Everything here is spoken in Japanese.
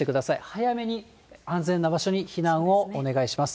早めに安全な場所に避難をお願いします。